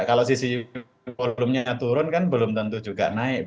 kalau sisi volumenya turun kan belum tentu juga naik